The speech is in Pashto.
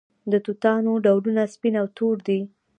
د توتانو ډولونه سپین او تور دي.